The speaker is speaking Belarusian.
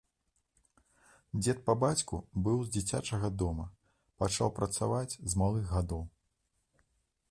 Дзед па бацьку быў з дзіцячага дома, пачаў працаваць з малых гадоў.